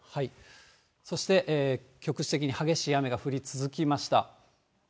そして局地的に激しい雨が降り続きました。